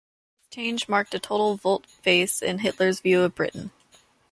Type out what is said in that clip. This change marked a total volte-face in Hitler's view of Britain.